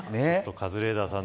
カズレーザーさん